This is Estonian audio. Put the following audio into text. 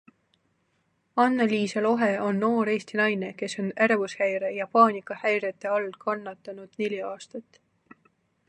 Anna-Liisa Lohe on noor Eesti naine, kes on ärevushäire ja paanikahäirete all kannatanud neli aastat.